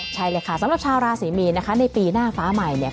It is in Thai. ใช่เลยค่ะสำหรับชาวราศรีมีนนะคะในปีหน้าฟ้าใหม่เนี่ย